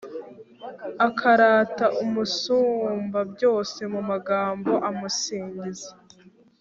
akarata Umusumbabyose mu magambo amusingiza;